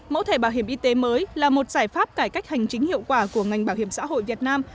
mẫu thẻ bảo hiểm y tế mới là một giải pháp cải cách hành chính hiệu quả của ngành bảo hiểm xã hội việt nam